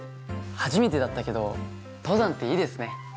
初めてだったけど登山っていいですね。